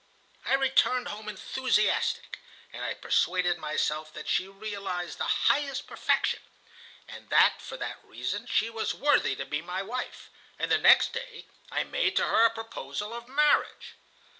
"I returned home enthusiastic, and I persuaded myself that she realized the highest perfection, and that for that reason she was worthy to be my wife, and the next day I made to her a proposal of marriage.